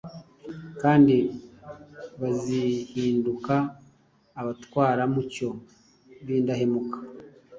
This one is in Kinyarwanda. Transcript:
kandi bazahinduka abatwaramucyo b’indahemuka.